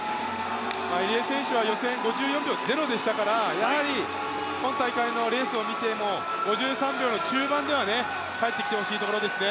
入江選手は予選５５秒でしたから今大会のレースを見ても５３秒中盤では帰ってきてほしいところですね。